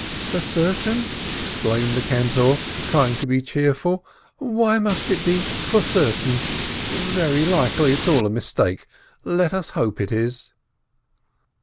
"For certain?" exclaimed the cantor, trying to be cheerful. "Why must it be for certain? Very likely it's all a mistake — let us hope it is!"